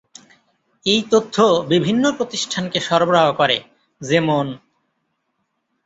এই তথ্য বিভিন্ন প্রতিষ্ঠানকে সরবরাহ করে, যেমন-